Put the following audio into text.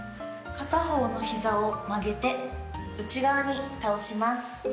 片方の膝を曲げて内側に倒します。